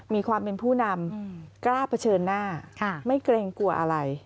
มีความเป็นผู้นำกล้าเผชิญหน้าไม่เกรงกลัวอะไร